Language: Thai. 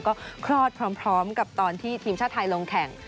ก็คลอดพร้อมกับตอนที่ทีมชาติไทยลงแข่ง